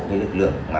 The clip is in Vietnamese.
cái lực lượng